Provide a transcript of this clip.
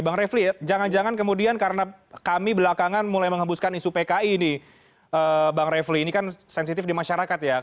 bang refli jangan jangan kemudian karena kami belakangan mulai menghembuskan isu pki ini bang refli ini kan sensitif di masyarakat ya